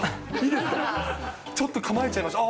ちょっと構えちゃいました。